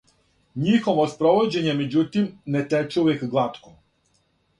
Нјихово спровођење, међутим, не тече увек глатко.